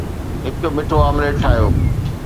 هڪ مٺو آمليٽ ٺاهيو